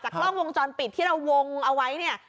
กล้องวงจรปิดที่เราวงเอาไว้เนี่ย